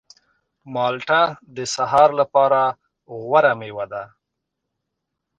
مالټه د سهار لپاره غوره مېوه ده.